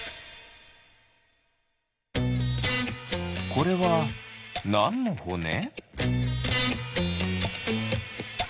これはなんのほね？